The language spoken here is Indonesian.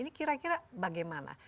ini kira kira bagaimana